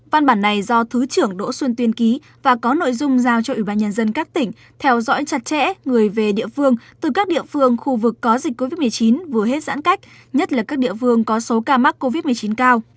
văn bản này do thứ trưởng đỗ xuân tuyên ký và có nội dung giao cho ủy ban nhân dân các tỉnh theo dõi chặt chẽ người về địa phương từ các địa phương khu vực có dịch covid một mươi chín vừa hết giãn cách nhất là các địa phương có số ca mắc covid một mươi chín cao